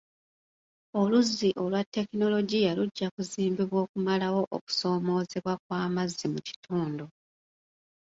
Oluzzi olwa tekinologiya lujja kuzimbibwa okumalawo okusoomoozebwa kw'amazzi mu kitundu.